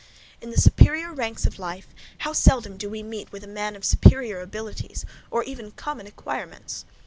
In the superior ranks of life how seldom do we meet with a man of superior abilities, or even common acquirements?